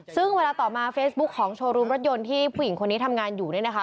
ซึ่งเวลาต่อมาเฟซบุ๊คของโชว์รูมรถยนต์ที่ผู้หญิงคนนี้ทำงานอยู่เนี่ยนะคะ